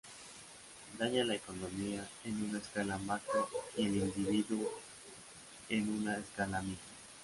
Daña la economía en una escala macro y el individuo en una escala micro".